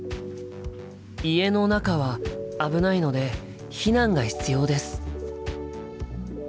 家の中は危ないので避難が必要です。